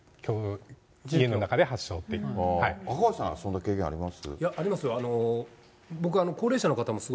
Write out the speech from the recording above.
赤星さん、そんな経験ありま